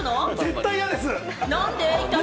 絶対嫌です！